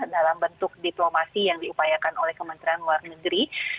dalam bentuk diplomasi yang diupayakan oleh kementerian luar negeri